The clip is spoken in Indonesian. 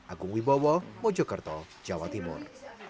agung wibowo mojokerto jawa timur